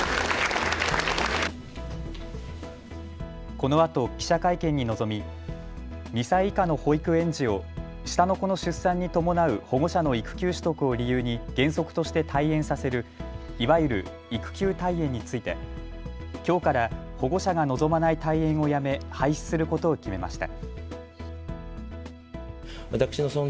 このあと記者会見に臨み、２歳以下の保育園児を下の子の出産に伴う保護者の育休取得を理由に原則として退園させるいわゆる育休退園についてきょうから保護者が望まない退園をやめ廃止することを決めました。